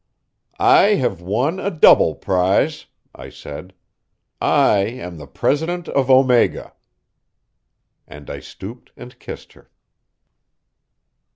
"I have won a double prize," I said. "I am the president of Omega." And I stooped and kissed her.